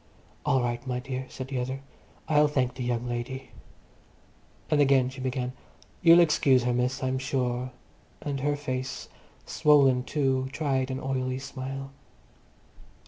"All right, my dear," said the other. "I'll thenk the young lady." And again she began, "You'll excuse her, miss, I'm sure," and her face, swollen too, tried an oily smile.